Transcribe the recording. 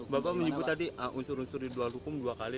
bapak menyebut tadi unsur unsur di luar hukum dua kali